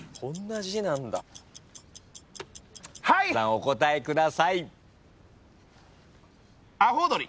お答えください。